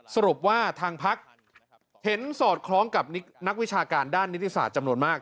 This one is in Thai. สรุปว่าทางพักเห็นสอดคล้องกับนักวิชาการด้านนิติศาสตร์จำนวนมาก